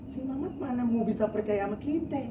si jambul mana mau bisa percaya sama kita